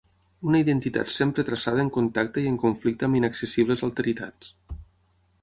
Una identitat sempre traçada en contacte i en conflicte amb inaccessibles alteritats.